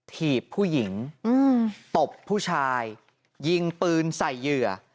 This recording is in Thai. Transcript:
ถีบผู้หญิงตบผู้ชายยิงปืนใส่เหยื่อ